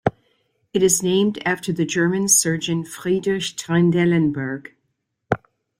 It is named after the German surgeon Friedrich Trendelenburg.